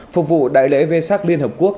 phục vụ đại lễ v sac liên hợp quốc